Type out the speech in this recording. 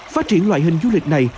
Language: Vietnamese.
phát triển loại hình du lịch này